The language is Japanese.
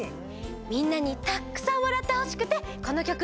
みんなにたっくさんわらってほしくてこのきょくにしました。